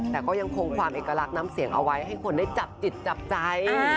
แต่ก็ยังคงความเอกลักษณ์น้ำเสียงเอาไว้ให้คนได้จับจิตจับใจ